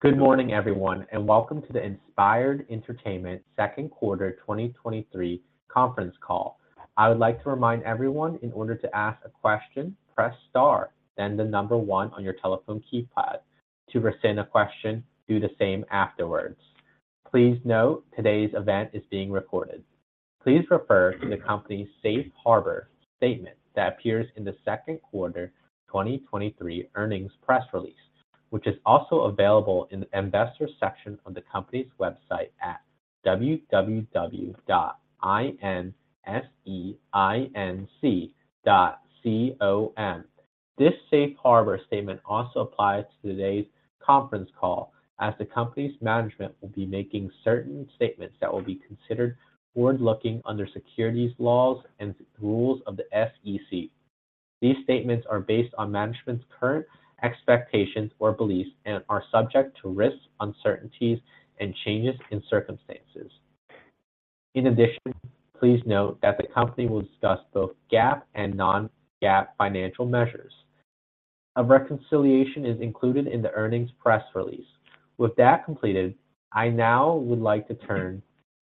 Good morning, everyone, and welcome to the Inspired Entertainment Second Quarter 2023 Conference Call. I would like to remind everyone, in order to ask a question, press star, then the number one on your telephone keypad. To rescind a question, do the same afterwards. Please note, today's event is being recorded. Please refer to the company's Safe Harbor statement that appears in the second quarter 2023 earnings press release, which is also available in the Investors section on the company's website at www.inseinc.com. This Safe Harbor statement also applies to today's conference call, as the company's management will be making certain statements that will be considered forward-looking under securities laws and rules of the SEC. These statements are based on management's current expectations or beliefs and are subject to risks, uncertainties, and changes in circumstances. In addition, please note that the company will discuss both GAAP and non-GAAP financial measures. A reconciliation is included in the earnings press release. With that completed, I now would like to turn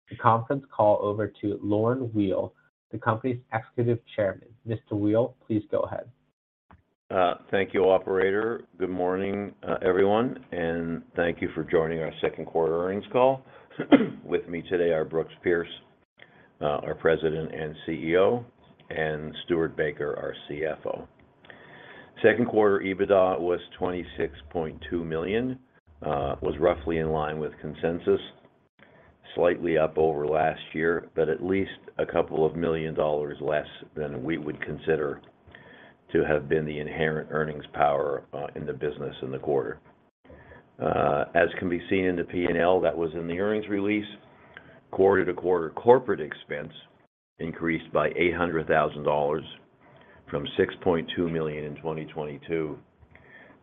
the conference call over to Lorne Weil, the company's Executive Chairman. Mr. Weil, please go ahead. Thank you, operator. Good morning, everyone, and thank you for joining our second quarter earnings call. With me today are Brooks Pierce, our President and CEO, and Stewart Baker, our CFO. Second quarter EBITDA was $26.2 million, was roughly in line with consensus, slightly up over last year, but at least $2 million less than we would consider to have been the inherent earnings power in the business in the quarter. As can be seen in the P&L, that was in the earnings release, quarter-to-quarter corporate expense increased by $800,000 from $6.2 million in 2022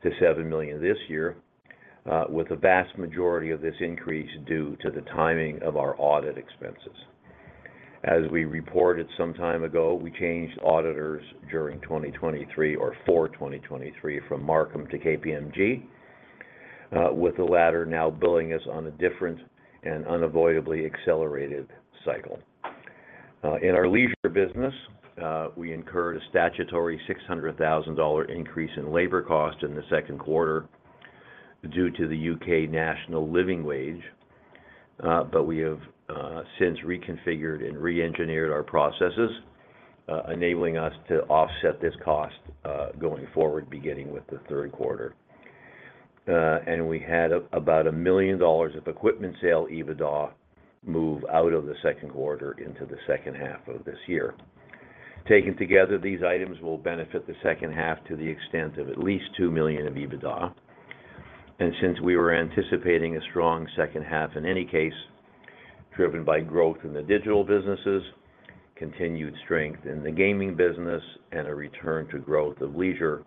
to $7 million this year, with the vast majority of this increase due to the timing of our audit expenses. As we reported some time ago, we changed auditors during 2023 or for 2023 from Marcum to KPMG, with the latter now billing us on a different and unavoidably accelerated cycle. In our leisure business, we incurred a statutory $600,000 increase in labor cost in the second quarter due to the UK National Living Wage, but we have since reconfigured and reengineered our processes, enabling us to offset this cost, going forward, beginning with the third quarter. We had about $1 million of equipment sale EBITDA move out of the second quarter into the second half of this year. Taken together, these items will benefit the second half to the extent of at least $2 million of EBITDA. Since we were anticipating a strong second half in any case, driven by growth in the digital businesses, continued strength in the gaming business, and a return to growth of leisure,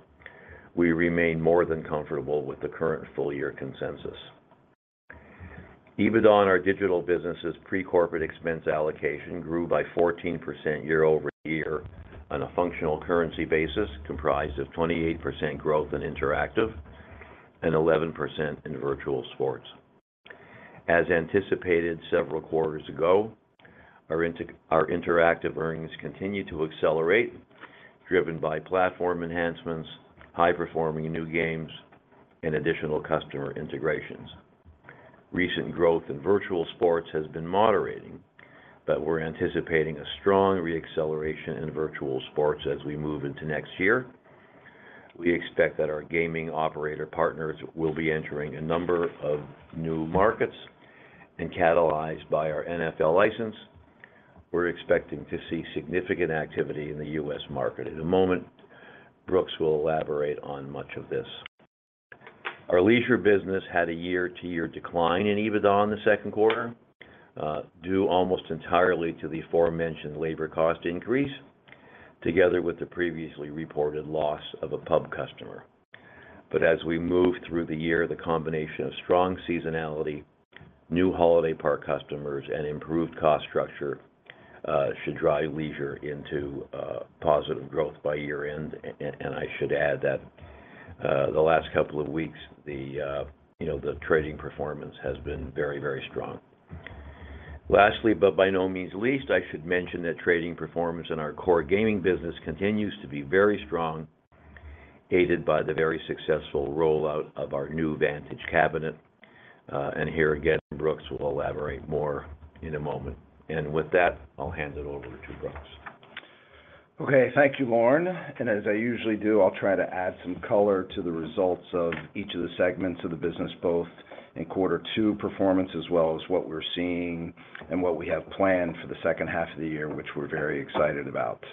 we remain more than comfortable with the current full-year consensus. EBITDA on our digital businesses pre-corporate expense allocation grew by 14% year-over-year on a functional currency basis, comprised of 28% growth in interactive and 11% in virtual sports. As anticipated several quarters ago, our interactive earnings continue to accelerate, driven by platform enhancements, high-performing new games, and additional customer integrations. Recent growth in virtual sports has been moderating. We're anticipating a strong re-acceleration in virtual sports as we move into next year. We expect that our gaming operator partners will be entering a number of new markets and catalyzed by our NFL license. We're expecting to see significant activity in the U.S. market. In a moment, Brooks will elaborate on much of this. Our leisure business had a year-to-year decline in EBITDA in the second quarter, due almost entirely to the aforementioned labor cost increase, together with the previously reported loss of a pub customer. As we move through the year, the combination of strong seasonality, new holiday park customers, and improved cost structure, should drive leisure into positive growth by year-end. I should add that the last couple of weeks, the, you know, the trading performance has been very, very strong. Lastly, by no means least, I should mention that trading performance in our core gaming business continues to be very strong, aided by the very successful rollout of our new Vantage cabinet. Here, again, Brooks will elaborate more in a moment. With that, I'll hand it over to Brooks. Okay, thank you, Lorne. As I usually do, I'll try to add some color to the results of each of the segments of the business, both in quarter two performance as well as what we're seeing and what we have planned for the second half of the year, which we're very excited about.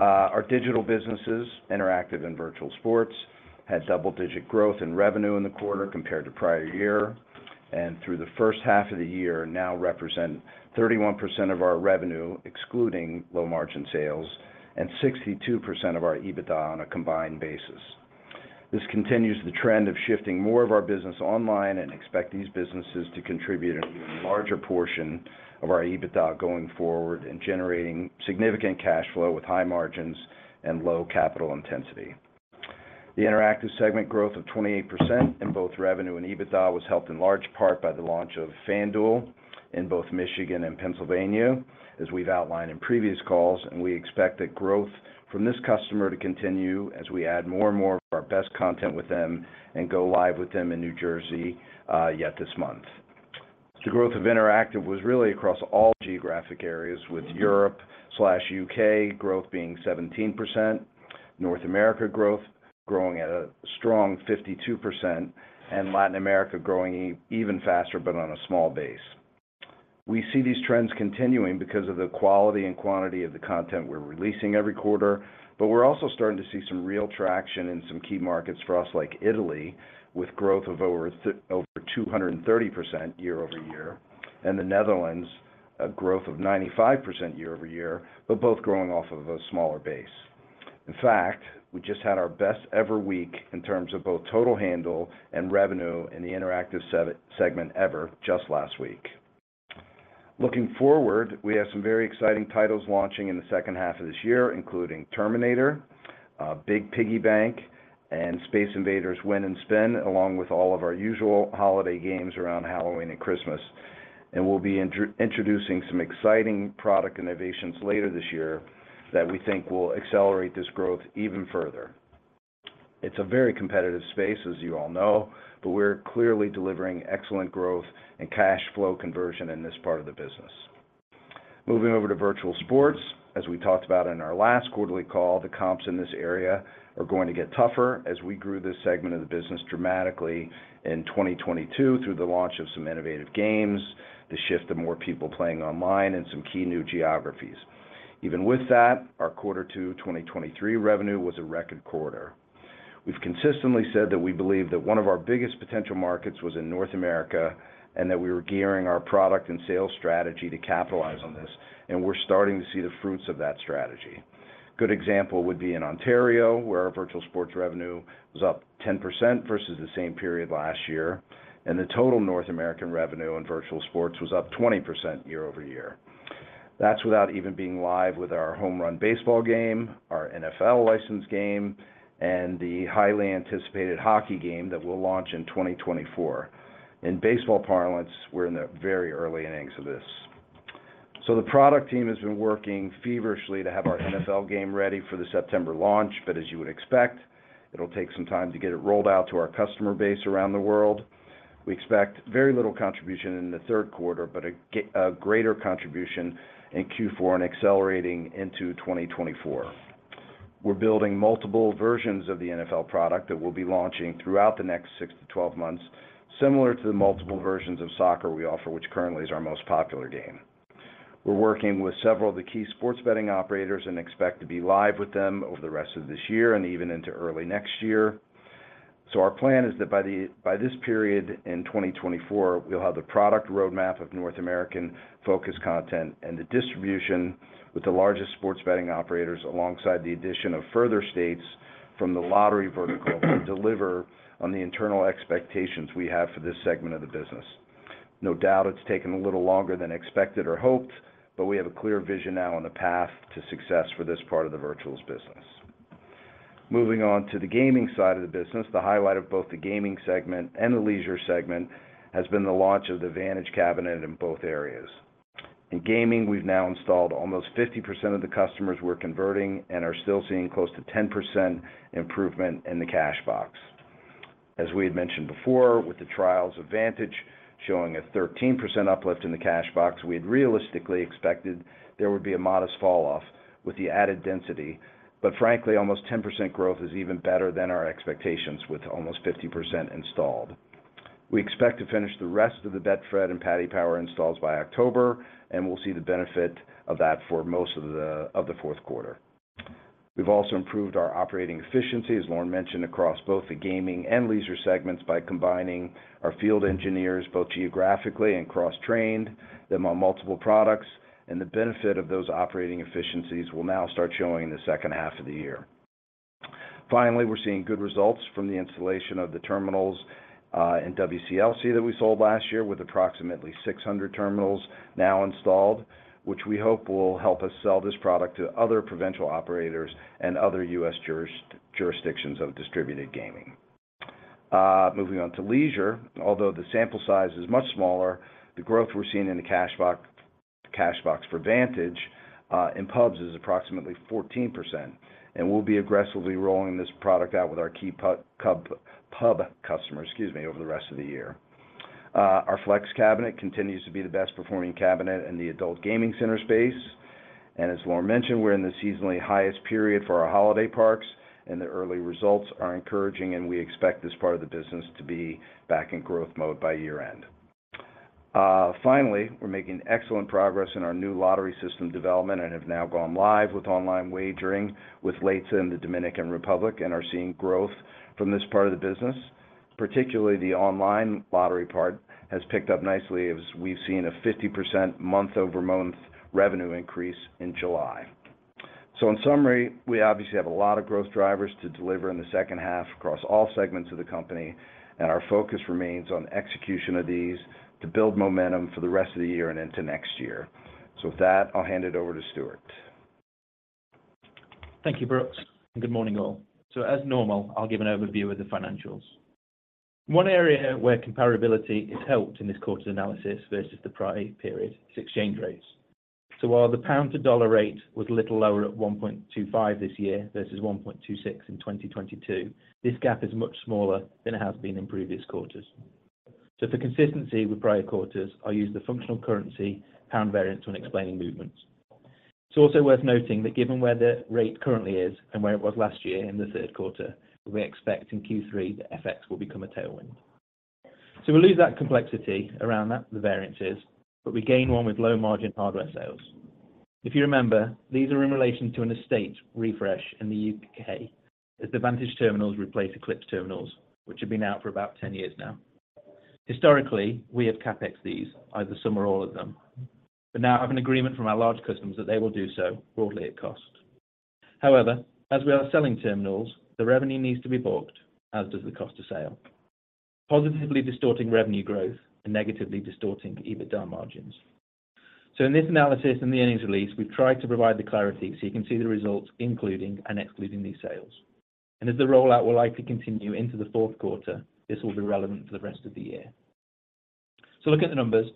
Our digital businesses, interactive and virtual sports, had double-digit growth in revenue in the quarter compared to prior year, and through the first half of the year, now represent 31% of our revenue, excluding low-margin sales, and 62% of our EBITDA on a combined basis. This continues the trend of shifting more of our business online and expect these businesses to contribute an even larger portion of our EBITDA going forward and generating significant cash flow with high margins and low capital intensity. The interactive segment growth of 28% in both revenue and EBITDA was helped in large part by the launch of FanDuel in both Michigan and Pennsylvania, as we've outlined in previous calls. We expect that growth from this customer to continue as we add more and more of our best content with them and go live with them in New Jersey yet this month. The growth of interactive was really across all geographic areas, with Europe/UK growth being 17%, North America growth growing at a strong 52%, Latin America growing even faster, but on a small base. We see these trends continuing because of the quality and quantity of the content we're releasing every quarter, but we're also starting to see some real traction in some key markets for us, like Italy, with growth of over 230% year-over-year, and the Netherlands, a growth of 95% year-over-year, but both growing off of a smaller base. In fact, we just had our best ever week in terms of both total handle and revenue in the interactive segment ever, just last week. Looking forward, we have some very exciting titles launching in the second half of this year, including Terminator, Big Piggy Bank, and Space Invaders: Win and Spin, along with all of our usual holiday games around Halloween and Christmas. We'll be introducing some exciting product innovations later this year that we think will accelerate this growth even further. It's a very competitive space, as you all know, but we're clearly delivering excellent growth and cash flow conversion in this part of the business. Moving over to virtual sports, as we talked about in our last quarterly call, the comps in this area are going to get tougher as we grew this segment of the business dramatically in 2022 through the launch of some innovative games, the shift to more people playing online, and some key new geographies. Even with that, our Q2 2023 revenue was a record quarter. We've consistently said that we believe that one of our biggest potential markets was in North America, that we were gearing our product and sales strategy to capitalize on this, we're starting to see the fruits of that strategy. Good example would be in Ontario, where our virtual sports revenue was up 10% versus the same period last year, the total North American revenue in virtual sports was up 20% year-over-year. That's without even being live with our home run baseball game, our NFL licensed game, the highly anticipated hockey game that will launch in 2024. In baseball parlance, we're in the very early innings of this. The product team has been working feverishly to have our NFL game ready for the September launch, but as you would expect, it'll take some time to get it rolled out to our customer base around the world. We expect very little contribution in the third quarter, but a greater contribution in Q4 and accelerating into 2024. We're building multiple versions of the NFL product that we'll be launching throughout the next six months to 12 months, similar to the multiple versions of soccer we offer, which currently is our most popular game. We're working with several of the key sports betting operators and expect to be live with them over the rest of this year and even into early next year. Our plan is that by this period in 2024, we'll have the product roadmap of North American-focused content and the distribution with the largest sports betting operators, alongside the addition of further states from the lottery vertical, to deliver on the internal expectations we have for this segment of the business. No doubt, it's taken a little longer than expected or hoped, but we have a clear vision now on the path to success for this part of the virtual business. Moving on to the gaming side of the business, the highlight of both the gaming segment and the leisure segment has been the launch of the Vantage cabinet in both areas. In gaming, we've now installed almost 50% of the customers we're converting and are still seeing close to 10% improvement in the cash box. As we had mentioned before, with the trials of Vantage showing a 13% uplift in the cash box, we had realistically expected there would be a modest falloff with the added density. Frankly, almost 10% growth is even better than our expectations, with almost 50% installed. We expect to finish the rest of the Betfred and Paddy Power installs by October, and we'll see the benefit of that for most of the fourth quarter. We've also improved our operating efficiency, as Lorne mentioned, across both the gaming and leisure segments by combining our field engineers, both geographically and cross-trained them on multiple products, and the benefit of those operating efficiencies will now start showing in the second half of the year. Finally, we're seeing good results from the installation of the terminals in WCLC that we sold last year, with approximately 600 terminals now installed, which we hope will help us sell this product to other provincial operators and other U.S. jurisdictions of distributed gaming. Moving on to leisure. Although the sample size is much smaller, the growth we're seeing in the cash box, cash box for Vantage, in pubs is approximately 14%, and we'll be aggressively rolling this product out with our key pub customers, excuse me, over the rest of the year. Our Flex cabinet continues to be the best performing cabinet in the adult gaming center space. As Lorne mentioned, we're in the seasonally highest period for our holiday parks, and the early results are encouraging, and we expect this part of the business to be back in growth mode by year-end. Finally, we're making excellent progress in our new lottery system development and have now gone live with online wagering with Lotería in the Dominican Republic and are seeing growth from this part of the business. Particularly, the online lottery part has picked up nicely, as we've seen a 50% month-over-month revenue increase in July. In summary, we obviously have a lot of growth drivers to deliver in the second half across all segments of the company, and our focus remains on execution of these to build momentum for the rest of the year and into next year. With that, I'll hand it over to Stewart. Thank you, Brooks, and good morning, all. As normal, I'll give an overview of the financials. One area where comparability is helped in this quarter's analysis versus the prior period is exchange rates. While the pound to dollar rate was a little lower at 1.25 this year, versus 1.26 in 2022, this gap is much smaller than it has been in previous quarters. For consistency with prior quarters, I use the functional currency pound variance when explaining movements. It's also worth noting that given where the rate currently is and where it was last year in the third quarter, we expect in Q3 that FX will become a tailwind. We lose that complexity around that, the variances, but we gain one with low-margin hardware sales. If you remember, these are in relation to an estate refresh in the UK, as the Vantage terminals replace Eclipse terminals, which have been out for about 10 years now. Historically, we have CapEx these, either some or all of them, but now have an agreement from our large customers that they will do so broadly at cost. As we are selling terminals, the revenue needs to be booked, as does the cost of sale, positively distorting revenue growth and negatively distorting EBITDA margins. In this analysis and the earnings release, we've tried to provide the clarity so you can see the results, including and excluding these sales. As the rollout will likely continue into the fourth quarter, this will be relevant for the rest of the year. Look at the numbers.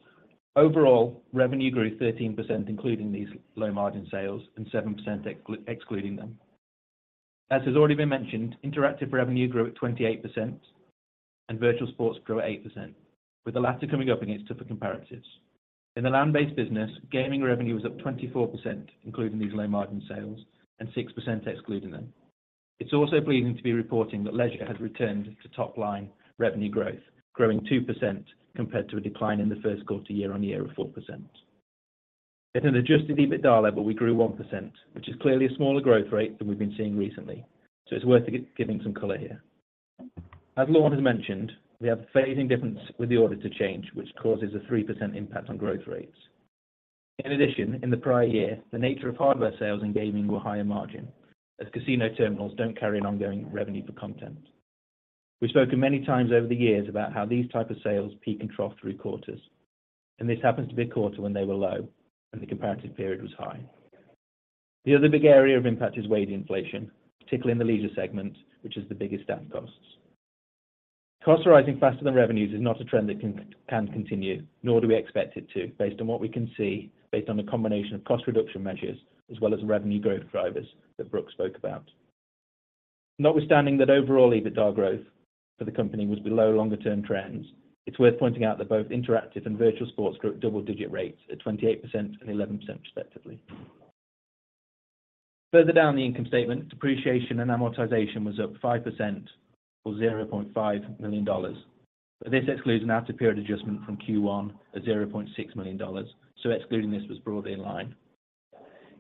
Overall, revenue grew 13%, including these low-margin sales, and 7% excluding them. As has already been mentioned, interactive revenue grew at 28% and virtual sports grew at 8%, with the latter coming up against tougher comparatives. In the land-based business, gaming revenue was up 24%, including these low-margin sales, and 6% excluding them. It's also pleasing to be reporting that leisure has returned to top-line revenue growth, growing 2% compared to a decline in the first quarter, year-on-year of 4%. At an adjusted EBITDA level, we grew 1%, which is clearly a smaller growth rate than we've been seeing recently, so it's worth giving some color here. As Lorne has mentioned, we have a phasing difference with the auditor change, which causes a 3% impact on growth rates. In addition, in the prior year, the nature of hardware sales and gaming were higher margin, as casino terminals don't carry an ongoing revenue for content. We've spoken many times over the years about how these type of sales peak and trough through quarters, and this happens to be a quarter when they were low and the comparative period was high. The other big area of impact is wage inflation, particularly in the leisure segment, which is the biggest staff costs. Costs rising faster than revenues is not a trend that can continue, nor do we expect it to, based on what we can see, based on a combination of cost reduction measures, as well as revenue growth drivers that Brooks spoke about. Notwithstanding that overall, EBITDA growth for the company was below longer-term trends, it's worth pointing out that both interactive and virtual sports grew at double-digit rates at 28% and 11% respectively. Further down the income statement, depreciation and amortization was up 5%, or $0.5 million. This excludes an out-of-period adjustment from Q1 at $0.6 million, so excluding this was broadly in line.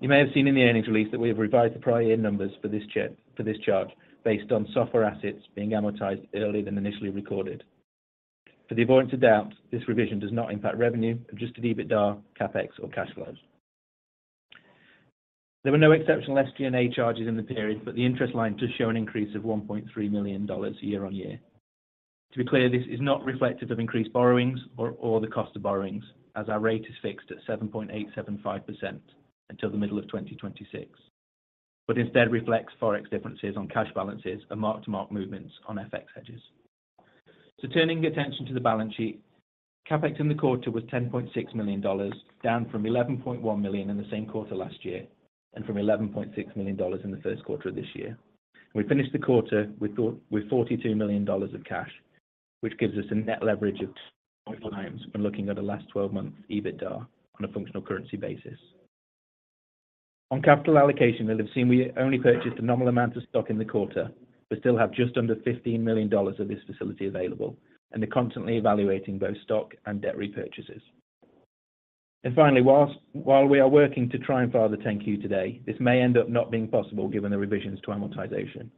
You may have seen in the earnings release that we have revised the prior year numbers for this chart, for this chart, based on software assets being amortized earlier than initially recorded. For the avoidance of doubt, this revision does not impact revenue, adjusted EBITDA, CapEx, or cash flows. There were no exceptional SG&A charges in the period, but the interest line does show an increase of $1.3 million year-on-year. To be clear, this is not reflective of increased borrowings or, or the cost of borrowings, as our rate is fixed at 7.875% until the middle of 2026, but instead reflects Forex differences on cash balances and mark-to-market movements on FX hedges. Turning your attention to the balance sheet, CapEx in the quarter was $10.6 million, down from $11.1 million in the same quarter last year, and from $11.6 million in the first quarter of this year. We finished the quarter with $42 million of cash, which gives us a net leverage of 0.4x when looking at the last twelve-month EBITDA on a functional currency basis. On capital allocation, you'll have seen we only purchased a nominal amount of stock in the quarter. Still have just under $15 million of this facility available and are constantly evaluating both stock and debt repurchases. Finally, while we are working to try and file the 10-Q today, this may end up not being possible, given the revisions to amortization.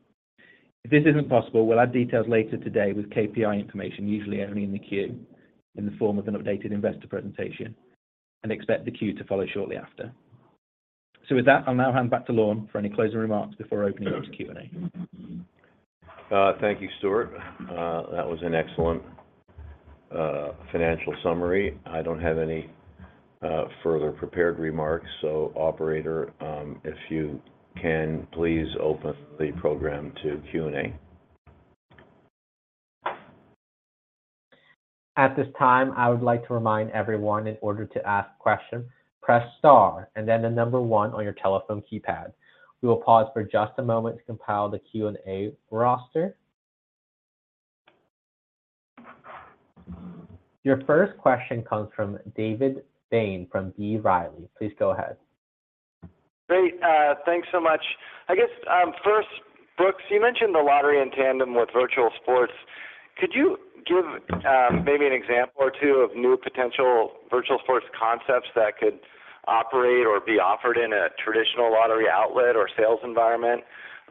If this isn't possible, we'll add details later today with KPI information, usually only in the Q, in the form of an updated investor presentation, and expect the Q to follow shortly after. With that, I'll now hand back to Lorne for any closing remarks before opening up to Q&A. Thank you, Stuart. That was an excellent financial summary. I don't have any further prepared remarks. Operator, if you can please open the program to Q&A. At this time, I would like to remind everyone in order to ask questions, press star and then the number one on your telephone keypad. We will pause for just a moment to compile the Q&A roster. Your first question comes from David Bain from B. Riley. Please go ahead. Great, thanks so much. I guess, first, Brooks, you mentioned the lottery in tandem with virtual sports. Could you give, maybe an example or two of new potential virtual sports concepts that could operate or be offered in a traditional lottery outlet or sales environment?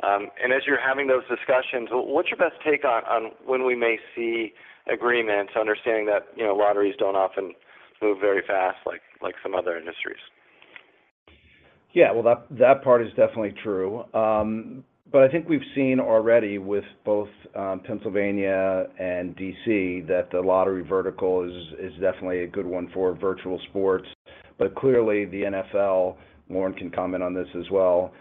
As you're having those discussions, what's your best take on, on when we may see agreements, understanding that, you know, lotteries don't often move very fast like, like some other industries? Yeah, well, that, that part is definitely true. I think we've seen already with both Pennsylvania and D.C., that the lottery vertical is, is definitely a good one for virtual sports. Clearly, the NFL, Lorne can comment on this as well,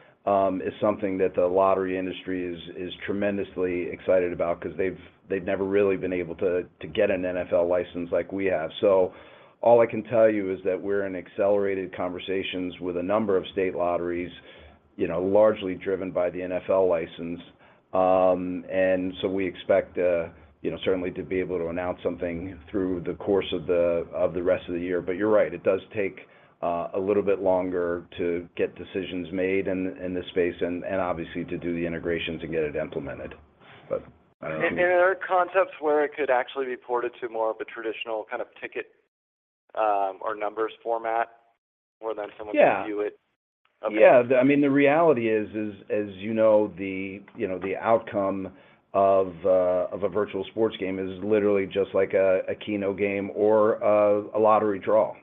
is something that the lottery industry is, is tremendously excited about, 'cause they've, they've never really been able to, to get an NFL license like we have. All I can tell you is that we're in accelerated conversations with a number of state lotteries, you know, largely driven by the NFL license. We expect, you know, certainly to be able to announce something through the course of the, of the rest of the year. You're right, it does take a little bit longer to get decisions made in, in this space and, and obviously, to do the integration to get it implemented. I don't know. and are there concepts where it could actually be ported to more of a traditional kind of ticket, or numbers format, where then someone-? Yeah can view it? Yeah. I mean, the reality is, is, as you know, the, you know, the outcome of, of a virtual sports game is literally just like a, a Keno game or, a lottery draw.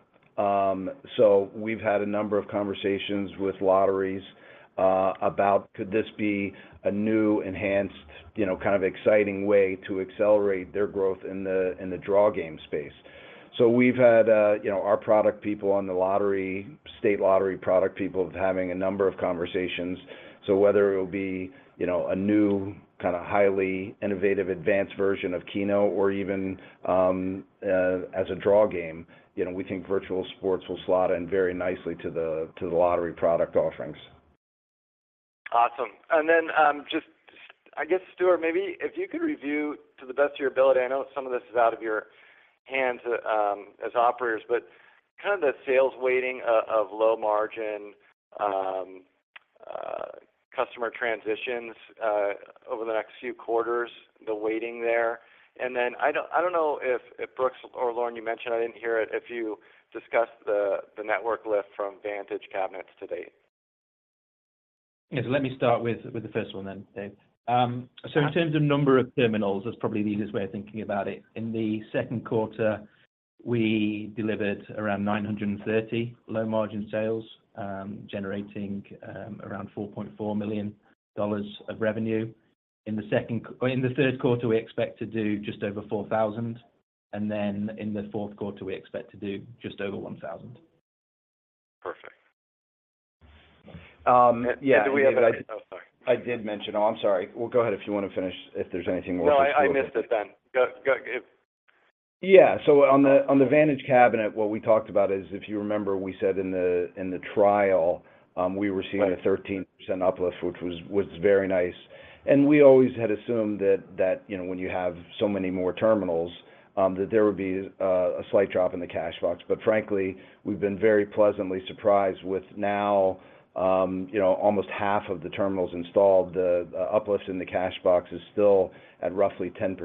We've had a number of conversations with lotteries, about could this be a new, enhanced, you know, kind of exciting way to accelerate their growth in the, in the draw game space? We've had, you know, our product people on the lottery, state lottery product people having a number of conversations. Whether it'll be, you know, a new, kind of highly innovative, advanced version of Keno or even, as a draw game, you know, we think virtual sports will slot in very nicely to the, to the lottery product offerings. Awesome. Then, just, I guess, Stewart, maybe if you could review to the best of your ability, I know some of this is out of your hands, as operators, but kind of the sales weighting of, of low margin, customer transitions, over the next few quarters, the weighting there. Then, I don't, I don't know if, if Brooks or Lorne you mentioned, I didn't hear it, if you discussed the, the network lift from Vantage Cabinets to date? Yes, let me start with, with the first one then, Dave. In terms of number of terminals, that's probably the easiest way of thinking about it. In the second quarter, we delivered around 930 low-margin sales, generating around $4.4 million of revenue. In the third quarter, we expect to do just over 4,000. Then in the fourth quarter, we expect to do just over 1,000. Perfect. Um, yeah- Do we have. Oh, sorry. I did mention. Oh, I'm sorry. Well, go ahead if you want to finish, if there's anything more- No, I missed it then. Go, go, if- Yeah. On the Vantage cabinet, what we talked about is, if you remember, we said in the, in the trial, we were seeing- Right a 13% uplift, which was, was very nice. We always had assumed that, that, you know, when you have so many more terminals, that there would be a slight drop in the cash box. Frankly, we've been very pleasantly surprised with now, you know, almost half of the terminals installed, the, the uplift in the cash box is still at roughly 10%,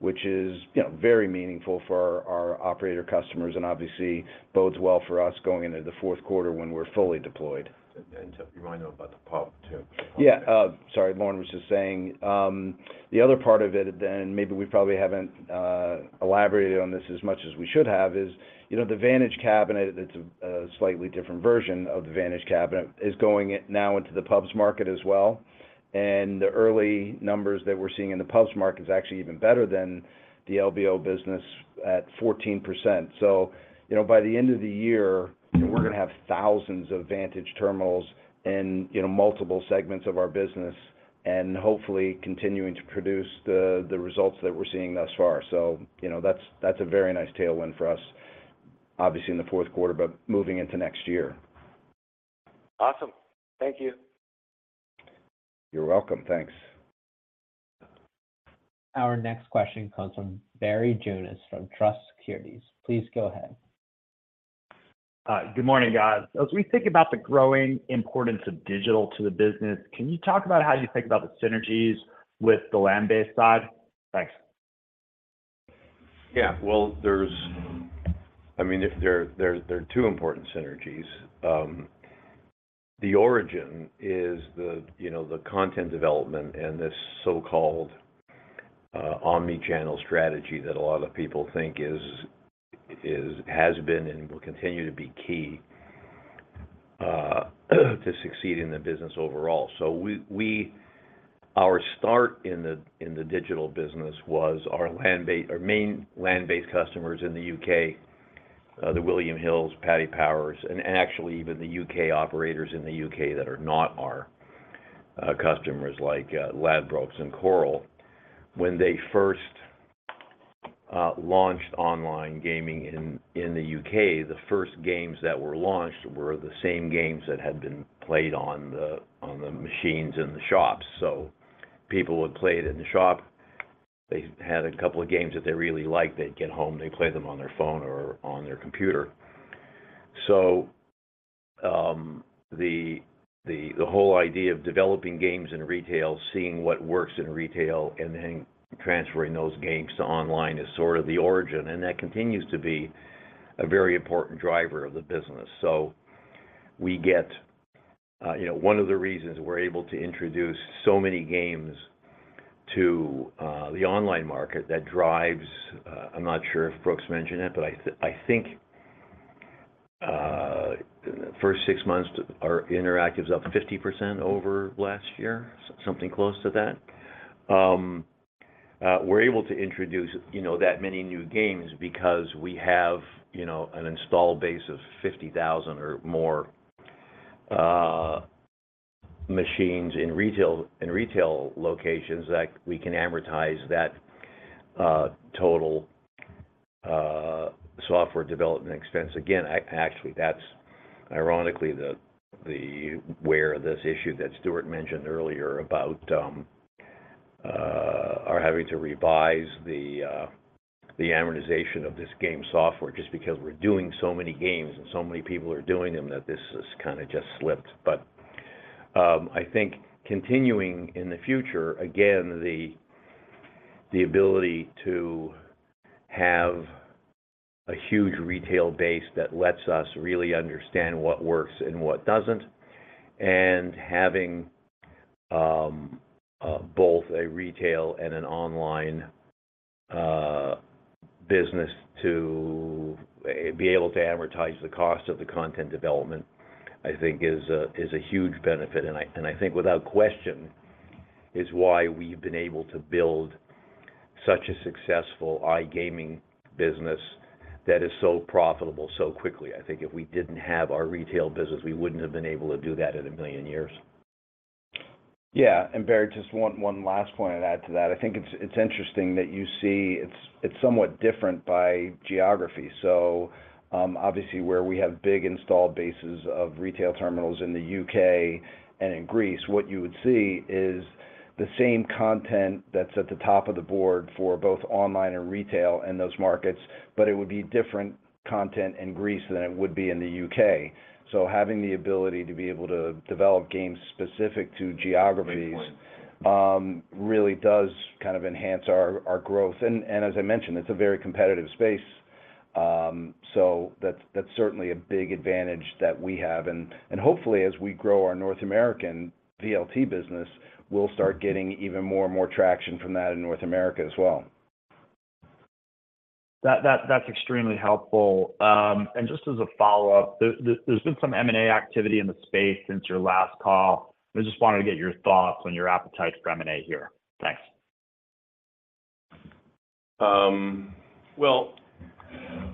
which is, you know, very meaningful for our operator customers, and obviously, bodes well for us going into the fourth quarter when we're fully deployed. To remind them about the pub, too. Yeah, sorry. Loren was just saying, the other part of it then, maybe we probably haven't elaborated on this as much as we should have, is, you know, the Vantage cabinet, it's a, a slightly different version of the Vantage cabinet, is going now into the pubs market as well. The early numbers that we're seeing in the pubs market is actually even better than the LBO business at 14%. You know, by the end of the year, we're going to have thousands of Vantage terminals in, you know, multiple segments of our business, and hopefully, continuing to produce the, the results that we're seeing thus far. You know, that's, that's a very nice tailwind for us, obviously, in the fourth quarter, but moving into next year. Awesome. Thank you. You're welcome. Thanks. Our next question comes from Barry Jonas from Truist Securities. Please go ahead. Good morning, guys. As we think about the growing importance of digital to the business, can you talk about how you think about the synergies with the land-based side? Thanks. Yeah. Well, there's, I mean, if there, there, there are two important synergies. The origin is the, you know, the content development and this so-called omni-channel strategy that a lot of people think is, is, has been and will continue to be key to succeed in the business overall. We, we, our start in the, in the digital business was our land-based, our main land-based customers in the UK, the William Hill, Paddy Power, and actually even the UK operators in the UK that are not our customers, like Ladbrokes and Coral. When they first launched online gaming in, in the UK, the first games that were launched were the same games that had been played on the, on the machines in the shops. People would play it in the shop. They had a couple of games that they really liked. They'd get home, they'd play them on their phone or on their computer. The whole idea of developing games in retail, seeing what works in retail, and then transferring those games to online is sort of the origin. That continues to be a very important driver of the business. We get, you know. One of the reasons we're able to introduce so many games to the online market, that drives, I'm not sure if Brooks mentioned it, but I think in the first six months, our interactive's up 50% over last year, something close to that. We're able to introduce, you know, that many new games because we have, you know, an installed base of 50,000 or more machines in retail, in retail locations that we can amortize that total software development expense. Again, actually, that's ironically where this issue that Stewart mentioned earlier about our having to revise the amortization of this game software, just because we're doing so many games and so many people are doing them, that this has kind of just slipped. I think continuing in the future, again, the ability to have a huge retail base that lets us really understand what works and what doesn't, and having both a retail and an online business to be able to amortize the cost of the content development, I think is a huge benefit. I, and I think without question, is why we've been able to build such a successful iGaming business that is so profitable so quickly. I think if we didn't have our retail business, we wouldn't have been able to do that in a million years. Yeah, Barry, just one, one last point I'd add to that. I think it's, it's interesting that you see it's, it's somewhat different by geography. Obviously, where we have big installed bases of retail terminals in the UK and in Greece, what you would see is the same content that's at the top of the board for both online and retail in those markets, but it would be different content in Greece than it would be in the UK. Having the ability to be able to develop games specific to geographies- Good point. really does kind of enhance our, our growth. As I mentioned, it's a very competitive space. That's, that's certainly a big advantage that we have. Hopefully, as we grow our North American VLT business, we'll start getting even more and more traction from that in North America as well. That, that, that's extremely helpful. Just as a follow-up, there, there's been some M&A activity in the space since your last call. I just wanted to get your thoughts on your appetite for M&A here. Thanks. Well,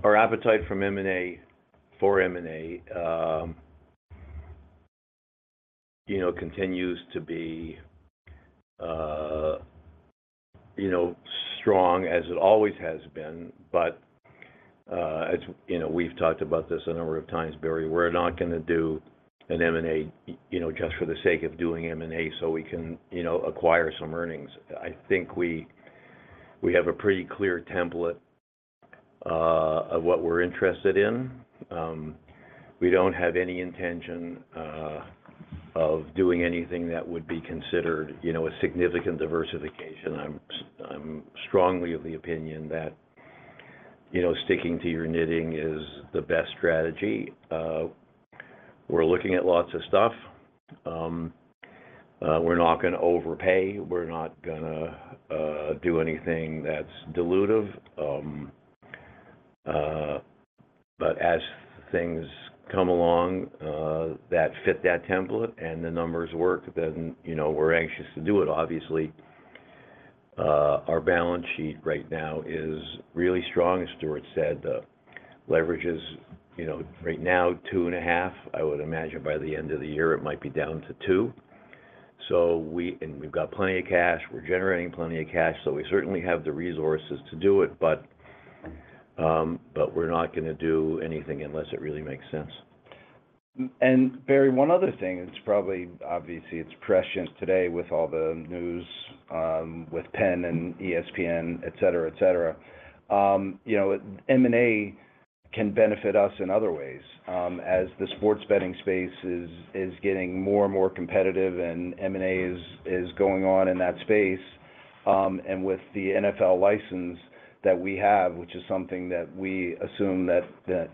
our appetite from M&A- for M&A, you know, continues to be, you know, strong as it always has been. As, you know, we've talked about this a number of times, Barry, we're not going to do an M&A, you know, just for the sake of doing M&A, so we can, you know, acquire some earnings. I think we, we have a pretty clear template of what we're interested in. We don't have any intention of doing anything that would be considered, you know, a significant diversification. I'm strongly of the opinion that, you know, sticking to your knitting is the best strategy. We're looking at lots of stuff. We're not gonna overpay, we're not gonna do anything that's dilutive. As things come along, that fit that template and the numbers work, then, you know, we're anxious to do it. Obviously, our balance sheet right now is really strong. As Stewart said, the leverage is, you know, right now two and a half. I would imagine by the end of the year, it might be down to two. And we've got plenty of cash, we're generating plenty of cash, so we certainly have the resources to do it. We're not going do anything unless it really makes sense. Barry, one other thing, it's obviously, it's prescient today with all the news with Penn and ESPN, et cetera, et cetera. You know, M&A can benefit us in other ways. As the sports betting space is, is getting more and more competitive, and M&A is, is going on in that space, and with the NFL license that we have, which is something that we assume that,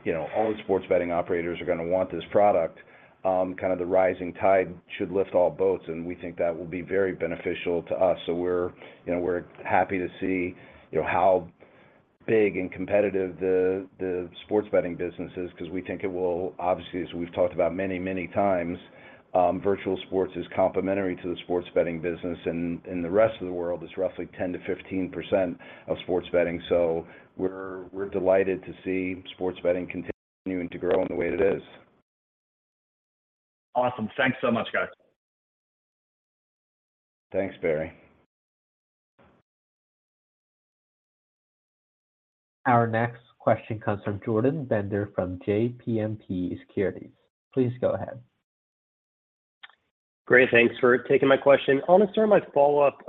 you know, all the sports betting operators are going to want this product, kind of the rising tide should lift all boats, and we think that will be very beneficial to us. We're, you know, we're happy to see, you know, how big and competitive the, the sports betting business is, because we think it will obviously, as we've talked about many, many times, virtual sports is complementary to the sports betting business, and in the rest of the world, it's roughly 10%-15% of sports betting. We're, we're delighted to see sports betting continuing to grow in the way it is. Awesome. Thanks so much, guys. Thanks, Barry. Our next question comes from Jordan Bender, from JMP Securities. Please go ahead. Great, thanks for taking my question. I want to start my follow-up.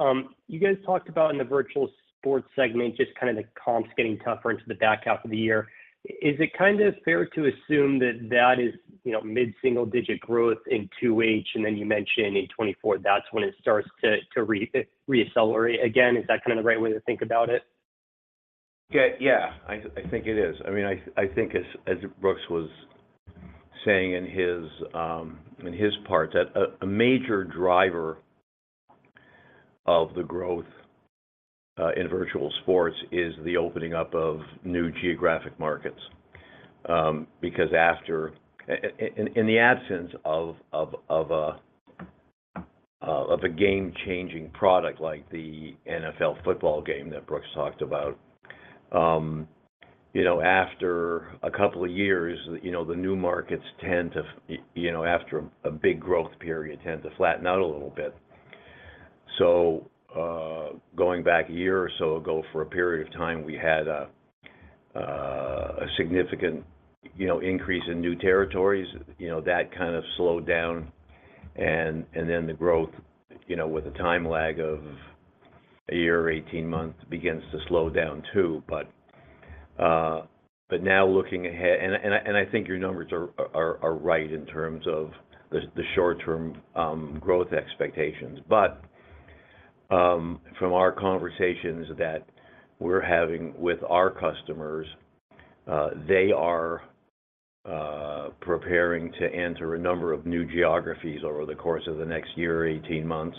You guys talked about in the virtual sports segment, just kind of the comps getting tougher into the back half of the year. Is it kind of fair to assume that that is, you know, mid-single-digit growth in two H, and then you mentioned in 2024, that's when it starts to reaccelerate again? Is that kind of the right way to think about it? Yeah, yeah, I, I think it is. I mean, I, I think as, as Brooks was saying in his, in his part, that a, a major driver- of the growth, in virtual sports is the opening up of new geographic markets. Because after i-i-in, in the absence of, of, of a, of, of a game-changing product like the NFL football game that Brooks talked about, you know, after two years, you know, the new markets tend to f- you know, after a, a big growth period, tend to flatten out a little bit. going back 1 year or so ago, for a period of time, we had a, a significant, you know, increase in new territories. You know, that kind of slowed down, and, and then the growth, you know, with a time lag of a year or 18 months, begins to slow down too. Now looking ahead. I think your numbers are, are, are right in terms of the short-term growth expectations. From our conversations that we're having with our customers, they are preparing to enter a number of new geographies over the course of the next year or 18 months,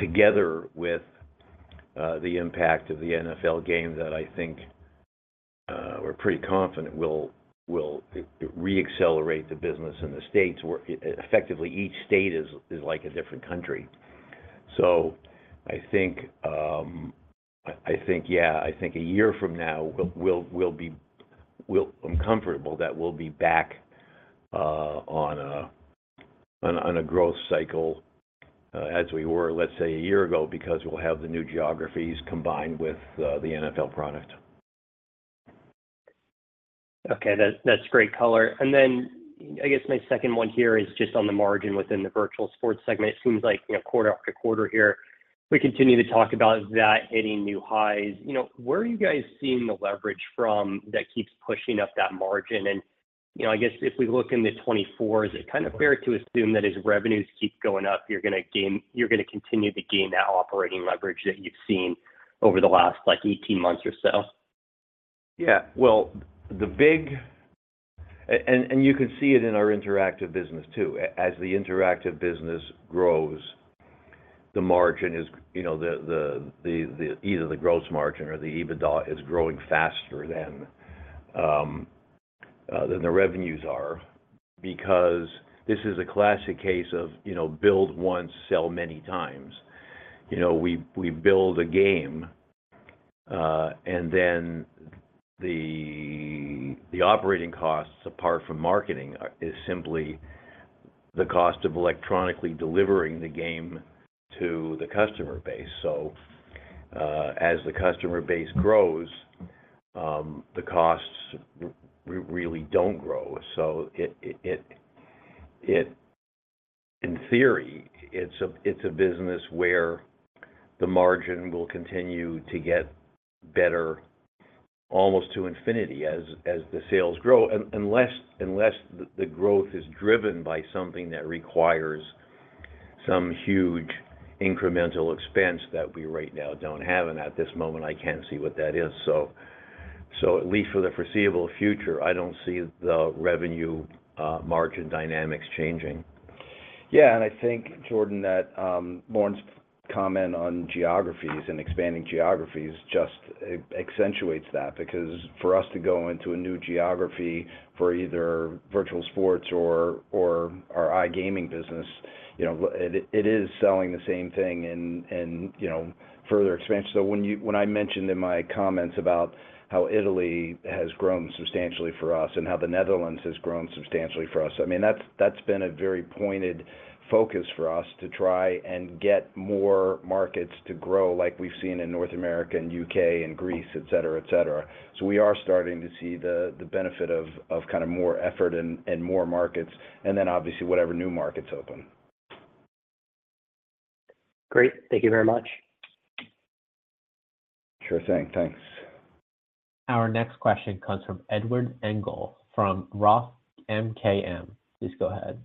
together with the impact of the NFL game that I think we're pretty confident will, will re-accelerate the business in the States, where effectively, each state is like a different country. I think, I think, yeah, I think 1 year from now, we'll be comfortable that we'll be back on a growth cycle, as we were, let's say, one year ago, because we'll have the new geographies combined with the NFL product. Okay, that, that's great color. I guess my second one here is just on the margin within the virtual sports segment. It seems like, you know, quarter after quarter here, we continue to talk about that hitting new highs. You know, where are you guys seeing the leverage from that keeps pushing up that margin? You know, I guess if we look into 2024, is it kind of fair to assume that as revenues keep going up, you're gonna continue to gain that operating leverage that you've seen over the last, like, 18 months or so? Yeah. And you can see it in our interactive business, too. As the interactive business grows, the margin is, you know, either the gross margin or the EBITDA is growing faster than the revenues are, because this is a classic case of, you know, build once, sell many times. You know, we build a game, then the operating costs, apart from marketing, is simply the cost of electronically delivering the game to the customer base. As the customer base grows, the costs really don't grow. In theory, it's a business where the margin will continue to get better, almost to infinity, as the sales grow, unless the growth is driven by something that requires some huge incremental expense that we right now don't have, and at this moment, I can't see what that is. So at least for the foreseeable future, I don't see the revenue margin dynamics changing. Yeah, and I think, Jordan, that Lorne's comment on geographies and expanding geographies just accentuates that. Because for us to go into a new geography for either virtual sports or, or our iGaming business, you know, it, it is selling the same thing and, and, you know, further expansion. When I mentioned in my comments about how Italy has grown substantially for us and how the Netherlands has grown substantially for us, I mean, that's, that's been a very pointed focus for us, to try and get more markets to grow like we've seen in North America and UK and Greece, et cetera, et cetera. We are starting to see the, the benefit of, of kind of more effort and, and more markets, and then obviously, whatever new markets open. Great. Thank you very much. Sure thing. Thanks. Our next question comes from Edward Engel from Roth MKM. Please go ahead.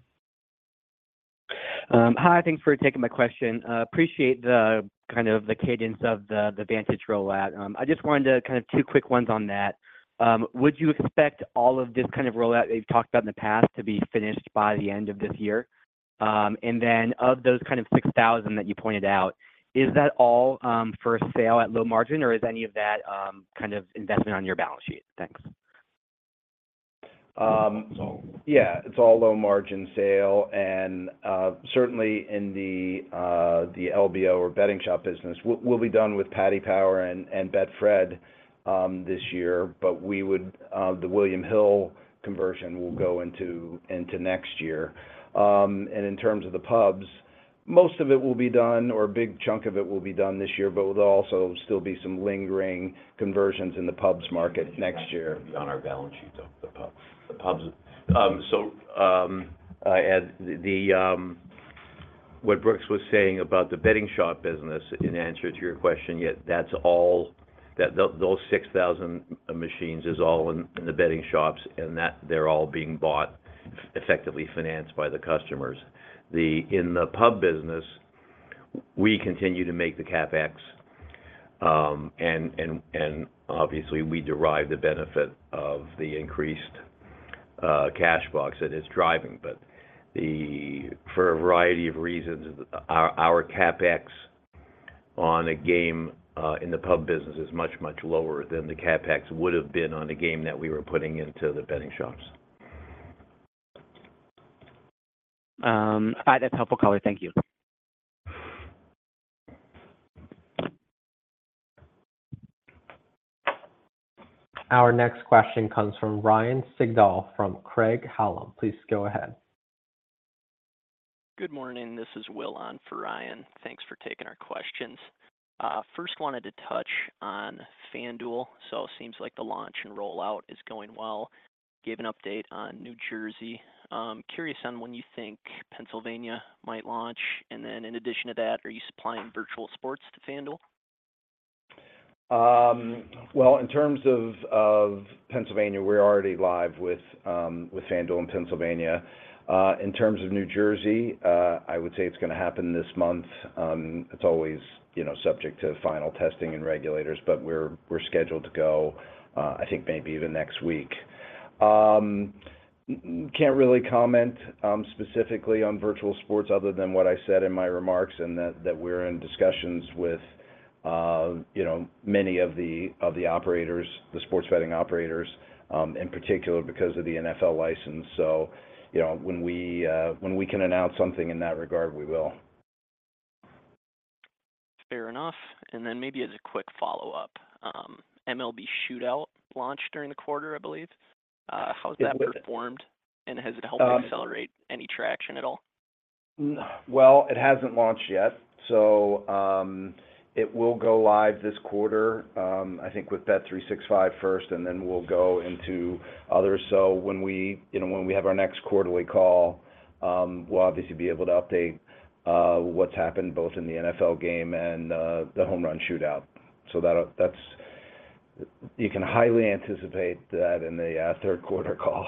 Hi, thank you for taking my question. Appreciate the kind of the cadence of the Vantage rollout. I just wanted to kind of two quick ones on that. Would you expect all of this kind of rollout that you've talked about in the past to be finished by the end of this year? And then of those kind of 6,000 that you pointed out, is that all for a sale at low margin, or is any of that kind of invested on your balance sheet? Thanks. Um- It's all- yeah, it's all low-margin sale, and certainly in the, the LBO or betting shop business. We, we'll be done with Paddy Power and Betfred, this year, but we would, the William Hill conversion will go into next year. In terms of the pubs, most of it will be done, or a big chunk of it will be done this year, but there'll also still be some lingering conversions in the pubs market next year. On our balance sheet, the, the pub, the pubs. I add the What Brooks was saying about the betting shop business, in answer to your question, yeah, that's all, that, that- those 6,000 machines is all in, in the betting shops, and that they're all being bought, effectively financed by the customers. The, in the pub business, we continue to make the CapEx- and obviously, we derive the benefit of the increased, cash box that it's driving. For a variety of reasons, our, our CapEx on a game, in the pub business is much, much lower than the CapEx would have been on a game that we were putting into the betting shops. All right, that's helpful, Colin. Thank you. Our next question comes from Ryan Sigdahl, from Craig-Hallum. Please go ahead. Good morning, this is Will on for Ryan. Thanks for taking our questions. First wanted to touch on FanDuel. It seems like the launch and rollout is going well. Give an update on New Jersey? Curious on when you think Pennsylvania might launch, in addition to that, are you supplying virtual sports to FanDuel? Well, in terms of, of Pennsylvania, we're already live with FanDuel in Pennsylvania. In terms of New Jersey, I would say it's going to happen this month. It's always, you know, subject to final testing and regulators, but we're, we're scheduled to go, I think maybe even next week. Can't really comment, specifically on virtual sports other than what I said in my remarks, and that, that we're in discussions with, you know, many of the, of the operators, the sports betting operators, in particular, because of the NFL license. You know, when we, when we can announce something in that regard, we will. Fair enough. Then maybe as a quick follow-up, MLB Shootout launched during the quarter, I believe. How's that- It did. performed, and has it helped accelerate any traction at all? It hasn't launched yet, so, it will go live this quarter. I think with bet365 first, and then we'll go into others. When we, you know, when we have our next quarterly call, we'll obviously be able to update what's happened both in the NFL game and the Home Run Shootout. You can highly anticipate that in the third quarter call.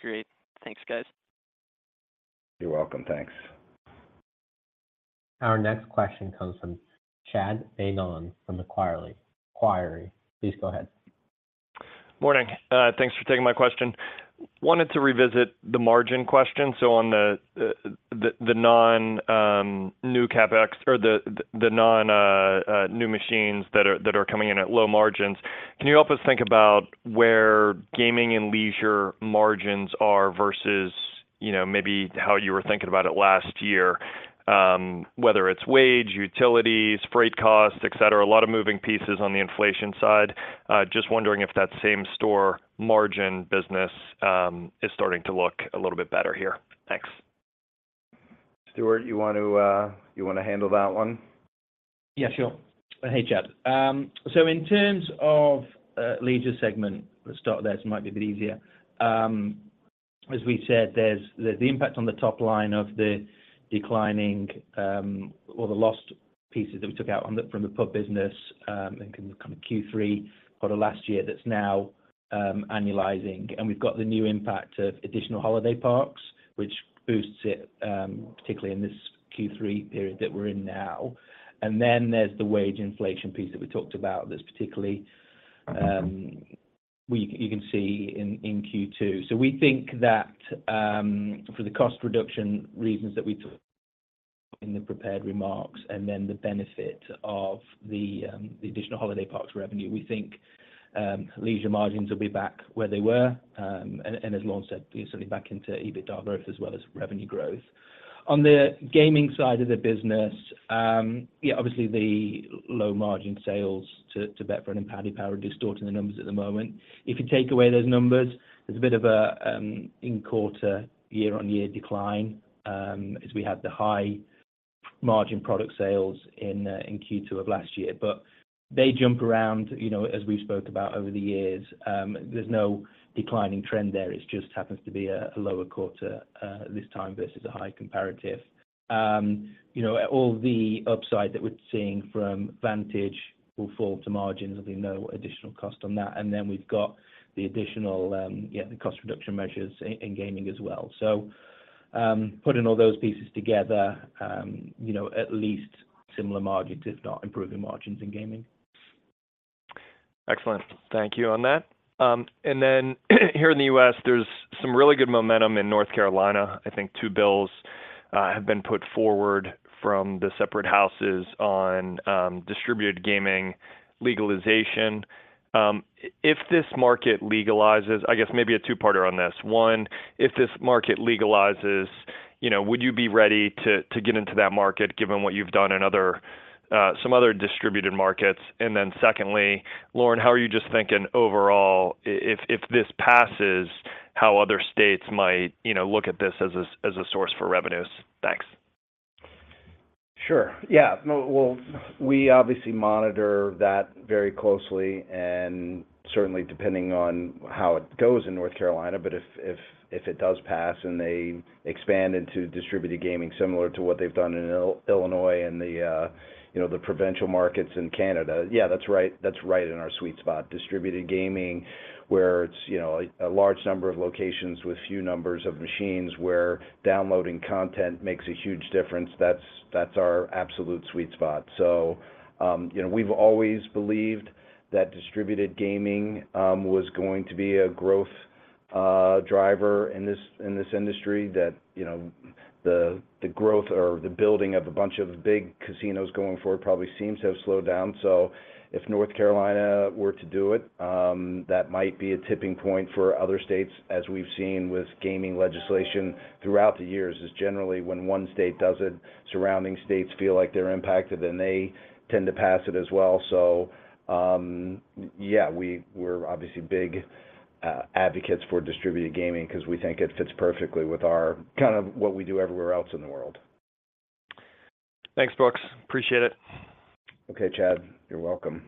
Great. Thanks, guys. You're welcome. Thanks. Our next question comes from Chad Beynon from Macquarie. Please go ahead. Morning. Thanks for taking my question. Wanted to revisit the margin question. On the, the, the non, new CapEx or the, the, the non, new machines that are, that are coming in at low margins, can you help us think about where gaming and leisure margins are versus, you know, maybe how you were thinking about it last year? Whether it's wage, utilities, freight costs, et cetera, a lot of moving pieces on the inflation side. Just wondering if that same store margin business is starting to look a little bit better here. Thanks. Stewart, you want to, you want to handle that one? Yeah, sure. Hey, Chad. In terms of leisure segment, let's start there, it might be a bit easier. As we said, there's the impact on the top line of the declining, or the lost pieces that we took out from the pub business, in kind of Q3 for the last year, that's now annualizing. We've got the new impact of additional holiday parks, which boosts it, particularly in this Q3 period that we're in now. Then there's the wage inflation piece that we talked about, that's particularly where you, you can see in Q2. We think that for the cost reduction reasons that we took in the prepared remarks and then the benefit of the additional holiday parks revenue, we think leisure margins will be back where they were. As Lorne said, certainly back into EBITDA growth as well as revenue growth. On the gaming side of the business, obviously, the low margin sales to Betfred and Paddy Power are distorting the numbers at the moment. If you take away those numbers, there's a bit of a in quarter, year-on-year decline, as we had the high margin product sales in Q2 of last year. They jump around, you know, as we spoke about over the years. There's no declining trend there. It just happens to be a lower quarter this time versus a high comparative. You know, all the upside that we're seeing from Vantage will fall to margins, and there's no additional cost on that. Then we've got the additional the cost reduction measures in gaming as well. Putting all those pieces together, you know, at least similar margins, if not improving margins in gaming. Excellent. Thank you on that. Here in the U.S., there's some really good momentum in North Carolina. I think two bills have been put forward from the separate houses on distributed gaming legalization. If this market legalizes... I guess maybe a two-parter on this: One, if this market legalizes, you know, would you be ready to get into that market, given what you've done in other some other distributed markets? Secondly, Lauren, how are you just thinking overall, if, if this passes, how other states might, you know, look at this as a, as a source for revenues? Thanks. Sure. Yeah, no, well, we obviously monitor that very closely, and certainly depending on how it goes in North Carolina, but if, if, if it does pass and they expand into distributed gaming, similar to what they've done in Illinois and the, you know, the provincial markets in Canada, yeah, that's right, that's right in our sweet spot. Distributed gaming, where it's, you know, a large number of locations with few numbers of machines, where downloading content makes a huge difference, that's, that's our absolute sweet spot. You know, we've always believed that distributed gaming, was going to be a growth. driver in this, in this industry that, you know, the, the growth or the building of a bunch of big casinos going forward probably seems to have slowed down. If North Carolina were to do it, that might be a tipping point for other states, as we've seen with gaming legislation throughout the years, is generally when one state does it, surrounding states feel like they're impacted, then they tend to pass it as well. Yeah, we- we're obviously big, advocates for distributed gaming because we think it fits perfectly with our kind of what we do everywhere else in the world. Thanks, Brooks. Appreciate it. Okay, Chad. You're welcome.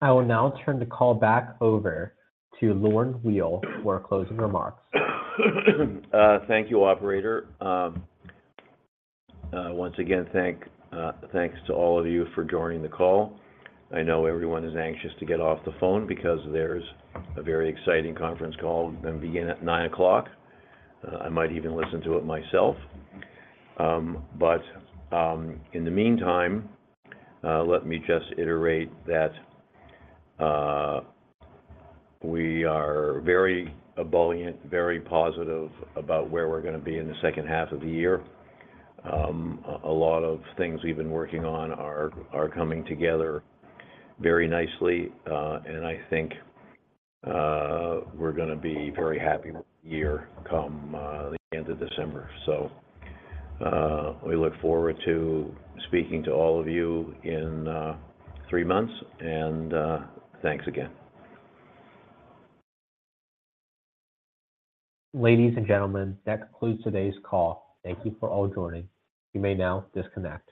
I will now turn the call back over to Lorne Weil for closing remarks. Thank you, operator. Once again, thank thanks to all of you for joining the call. I know everyone is anxious to get off the phone because there's a very exciting conference call going to begin at 9:00 A.M. I might even listen to it myself. In the meantime, let me just iterate that we are very ebullient, very positive about where we're going to be in the second half of the year. A lot of things we've been working on are, are coming together very nicely, and I think we're going to be very happy with the year come the end of December. We look forward to speaking to all of you in three months, and thanks again. Ladies and gentlemen, that concludes today's call. Thank you for all joining. You may now disconnect.